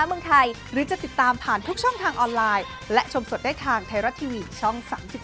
เดี๋ยวติดตามบันเทิงไทยรัฐได้ค่ะคุณผู้ชม